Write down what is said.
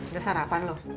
udah sarapan loh